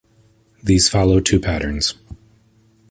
These follow two patterns.